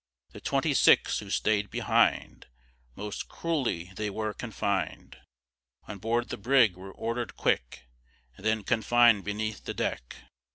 The twenty six who stay'd behind, Most cruelly they were confin'd; On board the brig were order'd quick, And then confin'd beneath the deck.